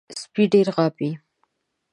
سپي ډېر غاپي .